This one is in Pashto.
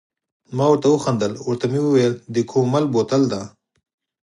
ما ورته و خندل، ورته مې وویل د کومل بوتل دی.